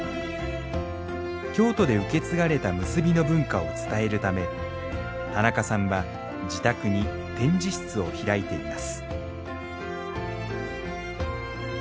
京都で受け継がれた結びの文化を伝えるため田中さんは自宅に展示室を開いています